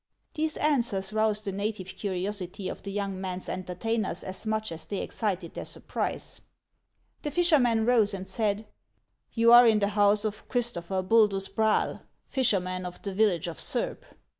These answers roused the native curiosity of the young man's entertainers as much as they excited their surprise. The fisherman rose, and said :" You are in the house of Christopher Buldus Braal, fisherman, of the village of Surb."